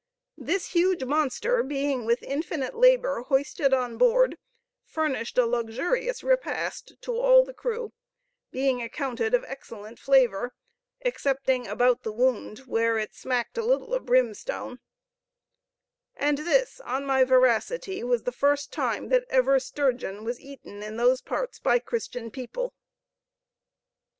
This huge monster being with infinite labor hoisted on board, furnished a luxurious repast to all the crew, being accounted of excellent flavor, excepting about the wound, where it smacked a little of brimstone; and this, on my veracity, was the first time that ever sturgeon was eaten in those parts by Christian people.